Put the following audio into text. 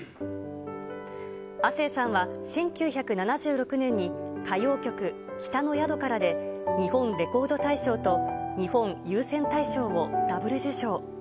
亜星さんは１９７６年に歌謡曲、北の宿からで日本レコード大賞と日本有線大賞をダブル受賞。